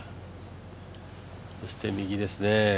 そして、右ですね。